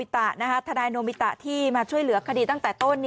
ทนายโนบิตะที่มาช่วยเหลือคดีตั้งแต่ต้น